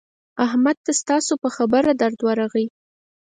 احمد ته ستاسو په خبره درد ورغی.